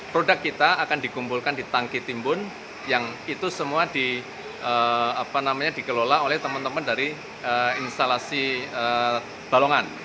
produk kita akan dikumpulkan di tangki timbun yang itu semua dikelola oleh teman teman dari instalasi balongan